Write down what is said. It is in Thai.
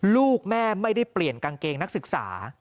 ลูกแม่ไม่ได้เปลี่ยนกางเกงนักศึกษา